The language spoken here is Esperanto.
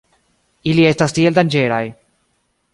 Ili estas tiel danĝeraj.